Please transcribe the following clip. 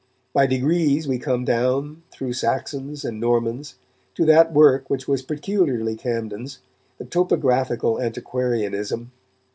By degrees we come down, through Saxons and Normans, to that work which was peculiarly Camden's, the topographical antiquarianism.